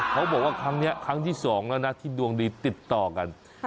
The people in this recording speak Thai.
เขาบอกว่าครั้งนี้ครั้งที่๒แล้วนะที่ดวงดีติดต่อกัน